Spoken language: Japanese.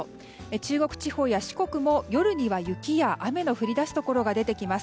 中国地方や四国も夜には雪や雨の降り出すところが出てきます。